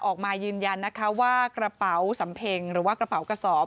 ออกมายืนยันนะคะว่ากระเป๋าสำเพ็งหรือว่ากระเป๋ากระสอบ